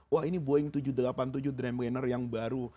wah ini boeing tujuh ratus delapan puluh tujuh dreamwenner yang baru